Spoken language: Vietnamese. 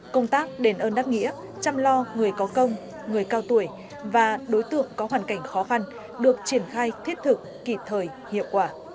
công tác đền ơn đáp nghĩa chăm lo người có công người cao tuổi và đối tượng có hoàn cảnh khó khăn được triển khai thiết thực kịp thời hiệu quả